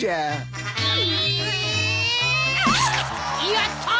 やったー！